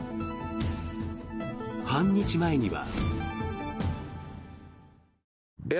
半日前には。